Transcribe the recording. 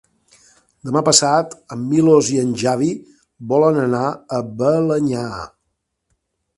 Demà passat en Milos i en Xavi volen anar a Balenyà.